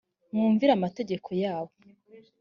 mwumvire amategeko yabo.